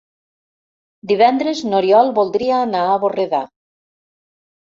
Divendres n'Oriol voldria anar a Borredà.